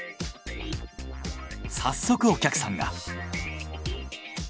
早速お客さんが。